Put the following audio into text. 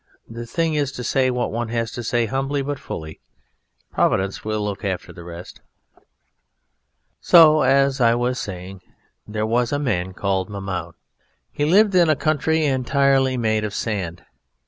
The thing is to say what one has to say humbly but fully. Providence will look after the rest. So, as I was saying, there was a man called Mahmoud. He lived in a country entirely made of sand.